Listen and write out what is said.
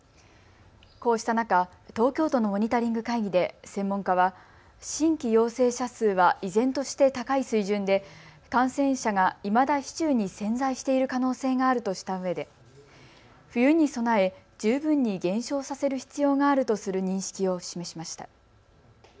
こうした中、東京都のモニタリング会議で専門家は新規陽性者数は依然として高い水準で感染者がいまだ市中に潜在している可能性があるとしたうえで冬に備え十分に減少させる必要があるとする認識を示しました。